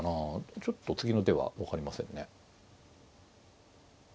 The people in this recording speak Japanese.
ちょっと次の手は分かりませんね。